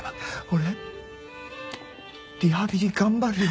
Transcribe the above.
俺リハビリ頑張るよ。